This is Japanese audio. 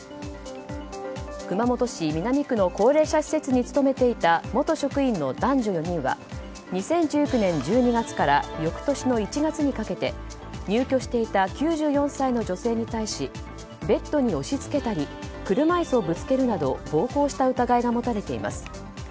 熊本市南区の高齢者施設に勤めていた元職員の男女４人は２０１９年１２月から翌年の１月にかけて入居していた９４歳の女性に対しベッドに押し付けたり車椅子をぶつけるなど暴行した疑いが持たれています。